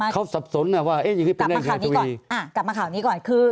เขาสับสนนะว่าเอ๊ะอย่างนี้เป็นอะไรกับทวีดีกลับมาข่าวนี้ก่อน